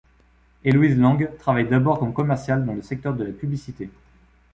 Éloïse Lang travaille d'abord comme commerciale dans le secteur de la publicité.